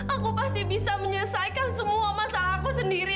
aku pasti bisa menyelesaikan semua masalahku sendiri